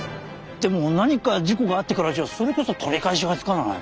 でも何か事故があってからじゃそれこそ取り返しがつかない。